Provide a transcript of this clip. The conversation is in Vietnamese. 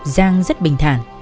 giang rất bình thản